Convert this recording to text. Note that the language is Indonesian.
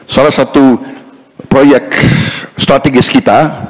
salah satu proyek strategis kita